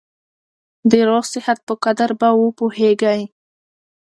د روغ صحت په قدر به وپوهېږې !